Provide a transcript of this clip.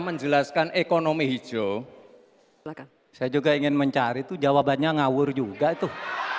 menjelaskan ekonomi hijau saya juga ingin mencari tuh jawabannya ngawur juga tuh